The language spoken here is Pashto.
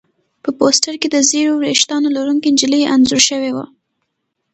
په پوسټر کې د ژېړو ویښتانو لرونکې نجلۍ انځور شوی و